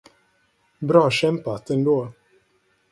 Bra kämpat ändå!